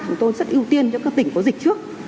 chúng tôi rất ưu tiên cho các tỉnh có dịch trước